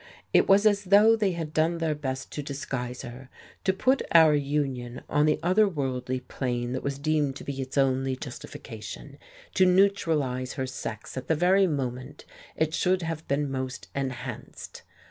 It was as though they had done their best to disguise her, to put our union on the other worldly plane that was deemed to be its only justification, to neutralize her sex at the very moment it should have been most enhanced.